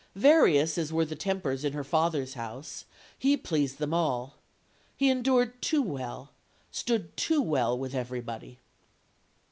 Various as were the tempers in her father's house, he pleased them all. He endured too well, stood too well with everybody."